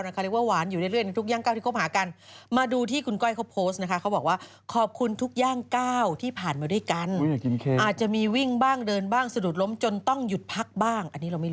เรียกว่าหวานอยู่เรื่อยในทุกย่าง๙ที่คบหากัน